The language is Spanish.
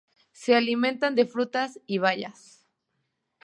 Se alimentan de frutas y bayas.